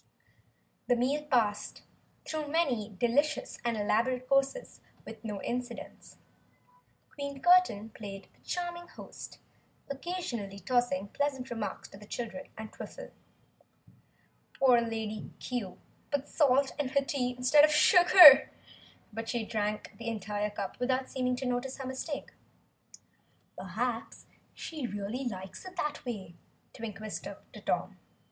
The meal passed, through many delicious and elaborate courses, with no incidents. Queen Curtain played the charming host, occasionally tossing pleasant remarks to the children and Twiffle. Poor Lady Cue put salt in her tea instead of sugar, but she drank the entire cup without seeming to notice her mistake. "Perhaps she really likes it that way," Twink whispered to Tom.